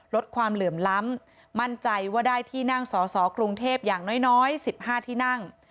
ลดความเหลื่อมล้ำมั่นใจว่าได้ที่นั่งสอสอกรุงเทพอย่างน้อย๑๕ที่นั่ง